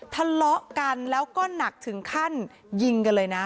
ทะเลาะกันแล้วก็หนักถึงขั้นยิงกันเลยนะ